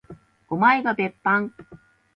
おまえが別班？